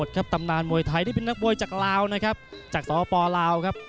ครับตำนานมวยไทยนี่เป็นนักมวยจากลาวนะครับจากสปลาวครับ